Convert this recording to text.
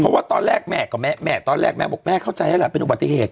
เพราะว่าตอนแรกแม่กับแม่แม่ตอนแรกแม่บอกแม่เข้าใจแล้วล่ะเป็นอุบัติเหตุ